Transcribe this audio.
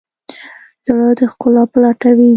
زړه د ښکلا په لټه وي.